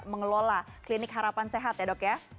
mengelola klinik harapan sehat ya dok ya